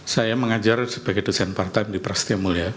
saya mengajar sebagai dosen part time di prasetya mulia